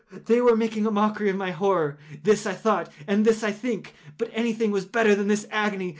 —they were making a mockery of my horror!—this I thought, and this I think. But anything was better than this agony!